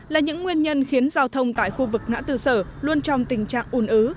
là những nguyên nhân khiến giao thông tại khu vực ngã tư sở luôn trong tình trạng ủn ứ